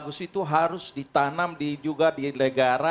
bagus itu harus ditanam juga di negara